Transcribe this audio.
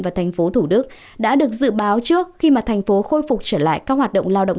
và tp thủ đức đã được dự báo trước khi mà tp hcm khôi phục trở lại các hoạt động lao động